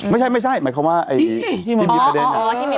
ไม่ใช่หมายความว่าที่มีประเด็น